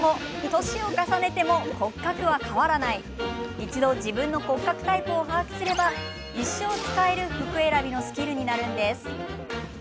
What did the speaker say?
一度、自分の骨格タイプを把握すれば、一生使える服選びのスキルになるんです。